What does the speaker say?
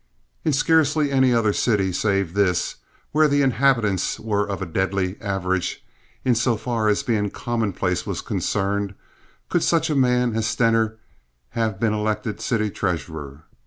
In scarcely any other city save this, where the inhabitants were of a deadly average in so far as being commonplace was concerned, could such a man as Stener have been elected city treasurer.